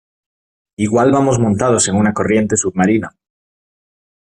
igual vamos montados en una corriente submarina